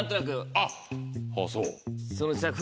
あっそう。